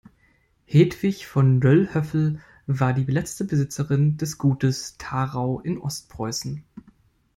Hedwig von Lölhöffel war die letzte Besitzerin des Gutes Tharau in Ostpreußen.